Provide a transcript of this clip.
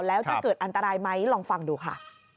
แล้วจะเกิดอันตรายไหมลองฟังดูค่ะ